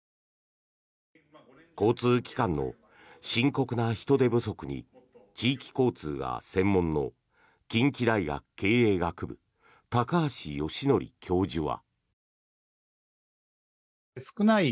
交通機関の深刻な人手不足に地域交通が専門の近畿大学経営学部高橋愛典教授は。